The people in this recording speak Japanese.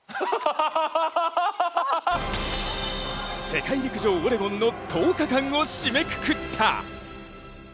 世界陸上オレゴンの１０日間を締めくくった。